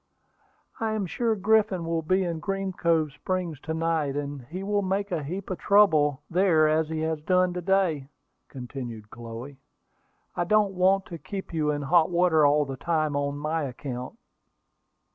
"I am sure Griffin will be in Green Cove Springs to night, and he will make a heap of trouble there as he has done to day," continued Chloe. "I don't want to keep you in hot water all the time on my account."